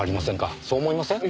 そう思いません？